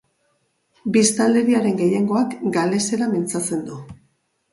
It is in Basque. Biztanleriaren gehiengoak galesera mintzatzen du.